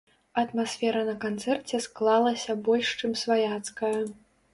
Атмасфера на канцэрце склалася больш чым сваяцкая.